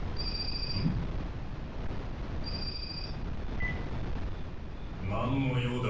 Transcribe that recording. ん？何の用だ？